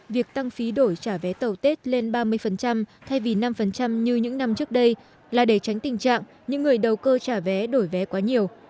việc tăng phí đổi trả vé tàu tết lên ba mươi thay vì năm như những năm trước đây là để tránh tình trạng những người đầu cơ trả vé đổi vé quá nhiều